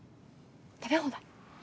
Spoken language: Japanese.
食べ放題？